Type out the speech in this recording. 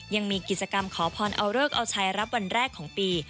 ยังมีกิจกรรมขอพรเอาเลิกเอาใช้รับวันแรกของปี